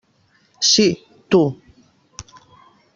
Sí, tu.